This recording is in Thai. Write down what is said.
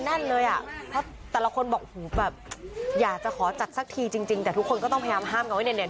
แน่นเลยอ่ะเพราะแต่ละคนบอกหูแบบอยากจะขอจัดสักทีจริงแต่ทุกคนก็ต้องพยายามห้ามกันไว้เนี่ย